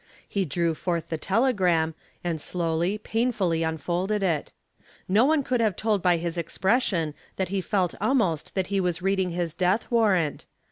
He drew forth the telegram and slowly, painfully unfolded it. No one could have told by his expression that he felt almost that he was reading his death warrant.